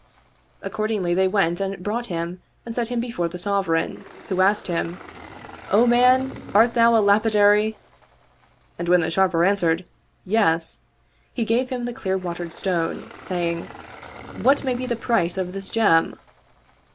Accordingly they went and brought him and set him before the Sovereign who asked him, " O man, art thou a lapidary? " And when the Sharper answered " Yes " he gave him the clear watered stone, say ing, "What may be the price of this gem?"